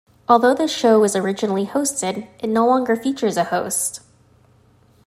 Although the show was originally hosted, it no longer features a host.